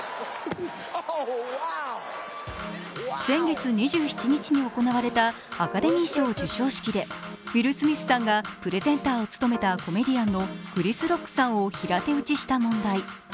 先月２７日に行われたアカデミー賞授賞式でウィル・スミスさんがプレゼンターを務めたコメディアンのクリス・ロックさんを平手打ちした問題。